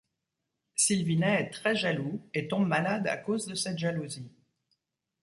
Sylvinet est très jaloux et tombe malade à cause de cette jalousie.